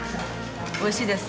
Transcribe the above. おいしいです。